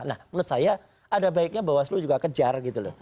nah menurut saya ada baiknya bawaslu juga kejar gitu loh